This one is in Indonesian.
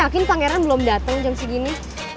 gue yakin pangeran belum dateng jam segini